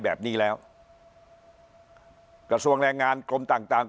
แบบนี้แล้วกระทรวงแรงงานกรมต่างต่าง